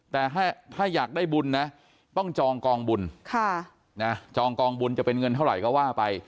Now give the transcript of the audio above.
แต่ถ้าอยากได้บุญนะต้องจองกองบุญจองกองบุญจะเป็นเงินเท่าไหร่ก็ว่าไป